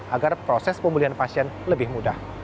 agar proses pemulihan pasien lebih mudah